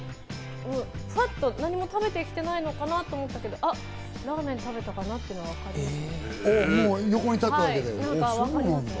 何も食べてきてないのかな？と思ったけどラーメン食べてきたのかなとか分かります。